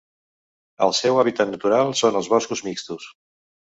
El seu hàbitat natural són els boscos mixtos.